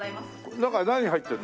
中に何入ってるの？